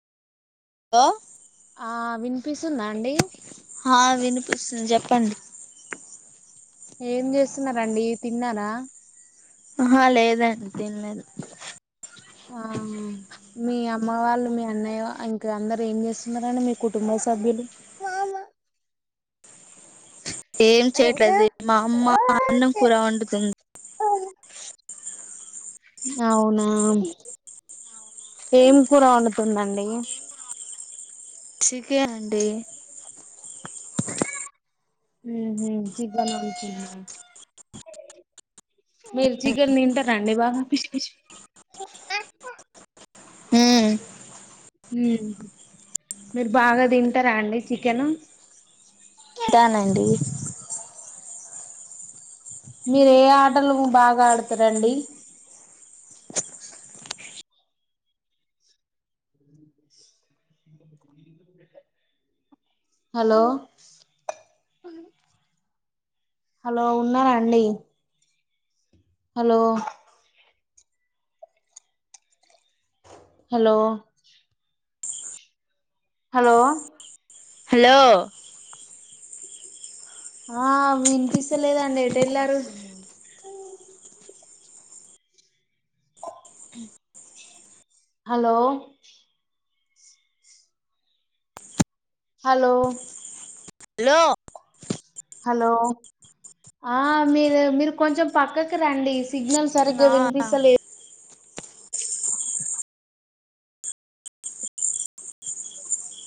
Hello. ఆహ్ విన్పిస్తుందా అండి. ఆ వినిపిస్తుంది చెప్పండి. ఏం చేస్తున్నారండి తిన్నారా. ఆహ్ లేదండి తినలేదు. అవునా మీ అమ్మ వాళ్ళు మీ అన్నయ్య ఇంకా అందరు ఏం చేస్తున్నారండి మీ కుటుంబం. అందరూ. ఏం చేయట్లేదు మా అమ్మ అన్నం కూర వండుతుంది. అవునా ఏమి కూర వండుతుందండి. చికెన్ అండి. ఉమ్ ఉమ్ చికెన్ వండుతుందా. మీరు చికన్ తింటారండి బాగా పిస్ పిస్. మ్మ్ [inaudible] ఉమ్ మీరు బాగా తింటారా అండి చికెన్. తింటానండి. మీరు ఏ ఆటలు బాగా ఆడుతారండి హలో హలో ఉన్నారా అండి హలో హలో హలో హలో ఆ వినిపిస్తలేదండి ఎటు ఏళ్లారు హలో హలో లో హలో ఆ మీరు మీరు కొంచెం పక్కకు రండి సిగ్నల్ సరిగ్గా లా వినిపిస్తాలేదు